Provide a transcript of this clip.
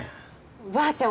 ばあちゃん